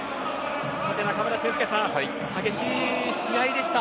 中村俊輔さん、激しい試合でした。